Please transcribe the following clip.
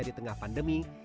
di tengah pandemi